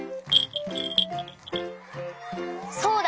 そうだ！